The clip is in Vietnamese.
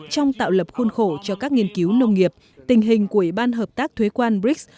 trong tạo lập khuôn khổ cho các nghiên cứu nông nghiệp tình hình của ủy ban hợp tác thuế quan brics